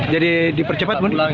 jadi dipercepat mudik